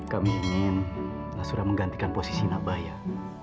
kami ingin mas surah menggantikan posisi nak bayah